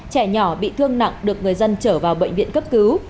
trẻ nhỏ bị thương nặng được người dân trở vào bệnh viện cấp cứu